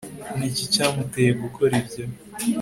Ni iki cyamuteye gukora ibyo